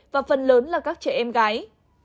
và phần lớn là các trẻ em gái